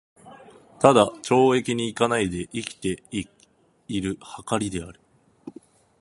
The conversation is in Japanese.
只懲役に行かないで生きて居る許りである。